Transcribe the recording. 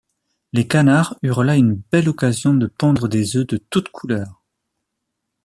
Les canards eurent là une belle occasion de pondre des œufs de toute couleur.